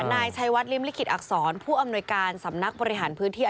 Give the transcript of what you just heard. นายชัยวัดริมลิขิตอักษรผู้อำนวยการสำนักบริหารพื้นที่